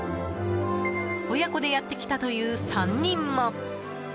親子でやってきたという３人も。